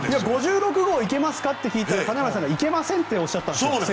５６号行けますかって言ったら金村さんが行けませんと先週、おっしゃったんです。